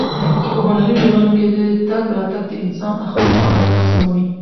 په هنري ټولنو کې تګ راتګ د انسان اخلاق او ادب سموي.